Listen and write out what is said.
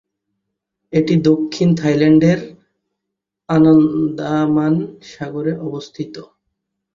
এটি দক্ষিণ থাইল্যান্ডের আন্দামান সাগরে অবস্থিত।